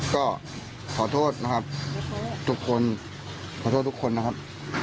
ก็ขอโทษนะครับทุกคนขอโทษทุกคนนะครับ